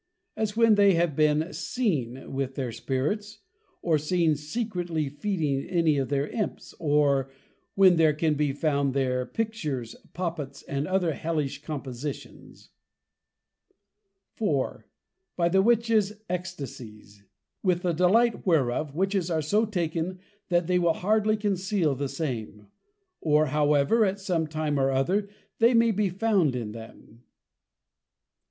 As when they have been seen with their Spirits, or seen secretly Feeding any of their Imps. Or, when there can be found their Pictures, Poppets, and other Hellish Compositions. IV. By the Witches Extasies: With the Delight whereof, Witches are so taken, that they will hardly conceal the same: Or, however at some time or other, they may be found in them.